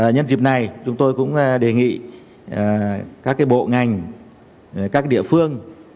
nhân dịp này chúng tôi cũng đề nghị các bộ ngành các địa phương